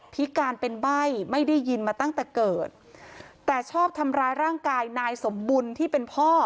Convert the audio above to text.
พิการเป็นใบ้ไม่ได้ยินมาตั้งแต่เกิดแต่ชอบทำร้ายร่างกายนายสมบุญที่เป็นพ่อ